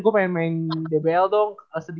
gue pengen main dbl dong